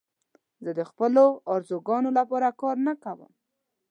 زه د خپلو آرزوګانو لپاره کار نه کوم.